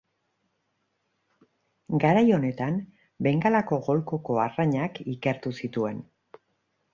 Garai honetan Bengalako golkoko arrainak ikertu zituen.